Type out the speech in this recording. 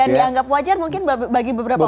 iya dan dianggap wajar mungkin bagi beberapa orang